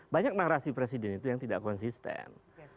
banyak narasi presiden itu yang tidak konsisten